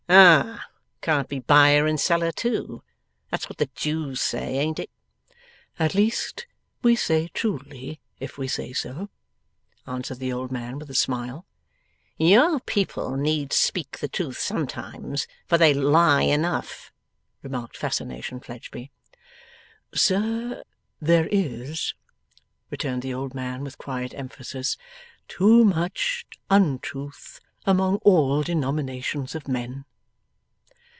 'Ah! Can't be buyer and seller too. That's what the Jews say; ain't it?' 'At least we say truly, if we say so,' answered the old man with a smile. 'Your people need speak the truth sometimes, for they lie enough,' remarked Fascination Fledgeby. 'Sir, there is,' returned the old man with quiet emphasis, 'too much untruth among all denominations of men.